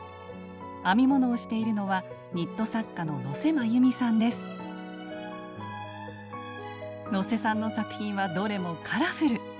編み物をしているのは能勢さんの作品はどれもカラフル。